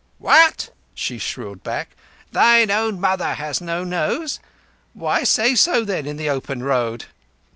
"What?" she shrilled back. "Thine own mother has no nose? Why say so, then, on the open road?"